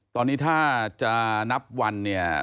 ตอนนี้ถ้าจะนับวัน